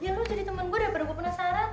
ya lo jadi temen gue daripada gue penasaran